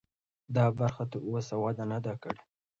دا برخه تراوسه وده نه ده کړې.